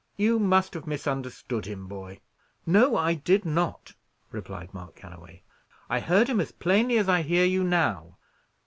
"You must have misunderstood him, boy." "No, I did not," replied Mark Galloway. "I heard him as plainly as I hear you now."